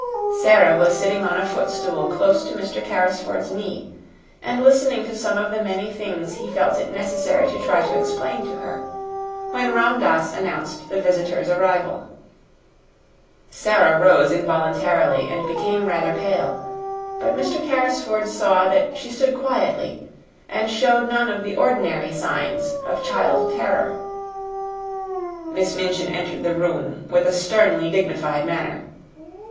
Sara was sitting on a footstool close to Mr. Carrisford's knee, and listening to some of the many things he felt it necessary to try to explain to her, when Ram Dass announced the visitor's arrival. Sara rose involuntarily, and became rather pale; but Mr. Carrisford saw that she stood quietly, and showed none of the ordinary signs of child terror. Miss Minchin entered the room with a sternly dignified manner.